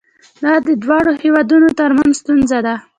دا د دواړو هیوادونو ترمنځ ستونزه ده.